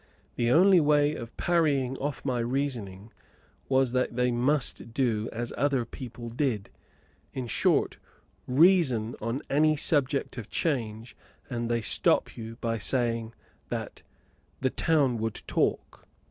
The only way of parrying off my reasoning was that they must do as other people did; in short, reason on any subject of change, and they stop you by saying that "the town would talk."